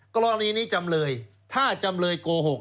กรณีนี้จำเลยถ้าจำเลยโกหก